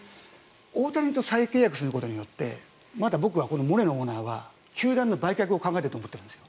大谷と再契約することによってまだ僕はモレノオーナーは球団の売却を考えていると思っているんです。